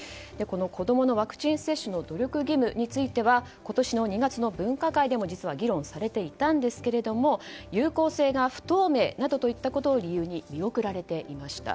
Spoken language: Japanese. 子供のワクチン接種の努力義務については今年の２月の分科会でも議論されていたんですが有効性が不透明などといったことを理由に見送られていました。